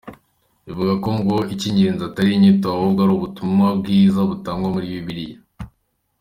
Ivuga ko ngo icy’ingenzi atari inyito ahubwo ari ubutumwa bwiza butangwa muri Bibiliya.